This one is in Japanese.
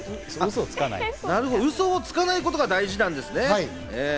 うそをつかないことが大事なんですね。